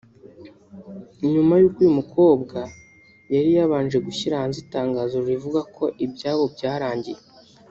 nyuma y’uko uyu mukobwa yari yabanje gushyira hanze itangazo rivuga ko ibyabo byarangiye